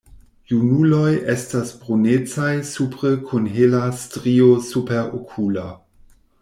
Junuloj estas brunecaj supre kun hela strio superokula.